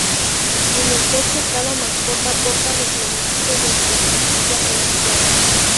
En el pecho cada mascota porta los logotipos de su respectiva olimpiada.